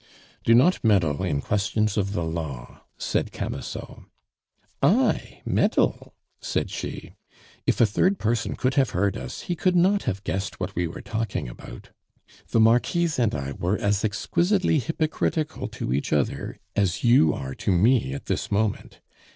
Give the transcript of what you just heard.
"Do not meddle in questions of the law," said Camusot. "I! meddle!" said she. "If a third person could have heard us, he could not have guessed what we were talking about. The Marquise and I were as exquisitely hypocritical to each other as you are to me at this moment.